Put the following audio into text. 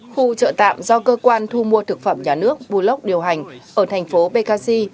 khu chợ tạm do cơ quan thu mua thực phẩm nhà nước bulog điều hành ở thành phố bekasi